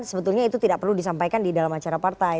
sebetulnya itu tidak perlu disampaikan di dalam acara partai